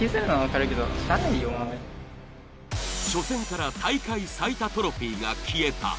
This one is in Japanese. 初戦から大会最多トロフィーが消えた。